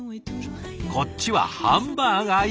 こっちはハンバーガー。